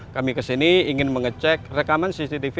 kami ke sini ingin mengecek rekaman cctv